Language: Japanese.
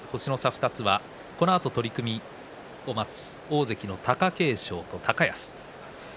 ２つはこのあと取組を待つ大関の貴景勝と高安。